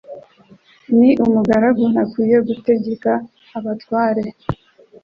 n’umugaragu ntakwiriye gutegeka abatware